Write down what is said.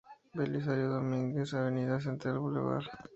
Belisario Domínguez, Avenida Central, Blvd.